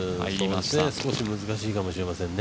少し難しいかもしれませんね。